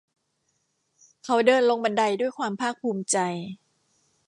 เขาเดินลงบันไดด้วยความภาคถูมิใจ